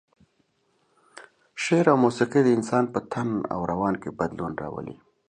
شعر او موسيقي د انسان په تن او روان کې بدلون راولي.